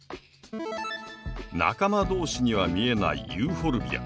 仲間同士には見えないユーフォルビア。